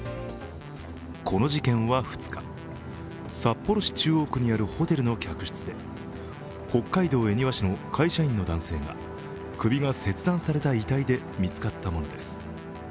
この事件は２日札幌市中央区にあるホテルの客室で北海道恵庭市の会社員の男性が首が切断された遺体で見つかったものです。